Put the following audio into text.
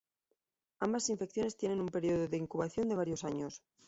Ambas infecciones tienen un periodo de incubación de varios años.